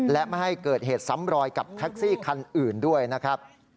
และไม่ให้เกิดเหตุซ้ำรอยกับแท็กซี่คันอื่นด้วยนะครับ